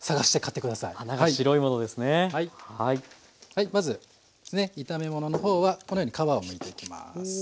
はいまず炒め物の方はこのように皮をむいていきます。